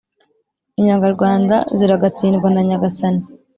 inyangarwanda ziragatsindwa na nyagasani